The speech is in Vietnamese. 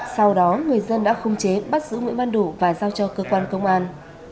sau đó người dân đã không chế bắt giữ nguyễn văn đủ và giao cho cơ quan công an